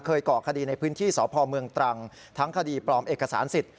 ก่อคดีในพื้นที่สพเมืองตรังทั้งคดีปลอมเอกสารสิทธิ